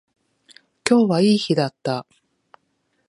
今日はいい日だった